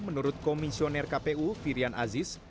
menurut komisioner kpu firian aziz